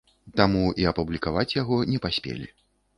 Таму і апублікаваць яго не паспелі.